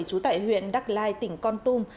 trú tại huyện đắc lai tỉnh con tum